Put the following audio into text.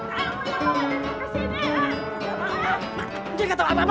kamu yang bawa dedek kesini